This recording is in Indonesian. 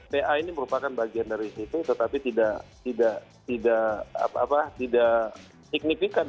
ta ini merupakan bagian dari situ tetapi tidak signifikan